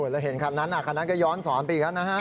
แล้วเห็นครั้งนั้นครั้งนั้นก็ย้อนศรไปอีกครั้งนะฮะ